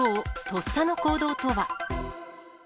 とっさの行動とは。